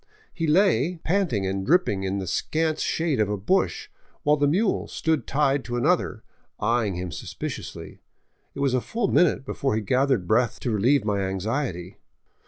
He lay 587 VAGABONDING DOWN THE ANDES panting and dripping in the scant shade of a bush, while the mule stood tied to another, eyeing him suspiciously. It was a full minute before he gathered breath to relieve my anxiety.